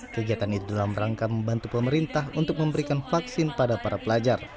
kegiatan ini dalam rangka membantu pemerintah untuk memberikan vaksin pada para pelajar